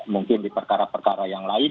mungkin di perkara perkara yang lain